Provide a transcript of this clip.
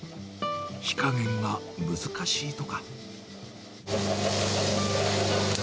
火加減が難しいとか。